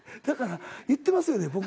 だから言ってますよね